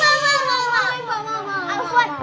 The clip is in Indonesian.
maulah maulah maulah